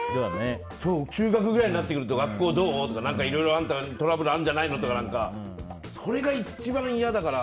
中学くらいになってくると学校どう？とか、いろいろあんたトラブルあるんじゃないのとかそれが一番嫌だから。